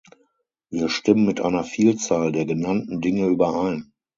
Wir stimmen mit einer Vielzahl der genannten Dinge überein.